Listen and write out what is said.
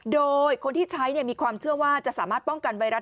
โดยคนที่ใช้มีความเชื่อว่าจะสามารถป้องกันไวรัส